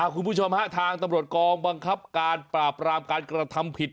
คุณผู้ชมฮะทางตำรวจกองบังคับการปราบรามการกระทำผิด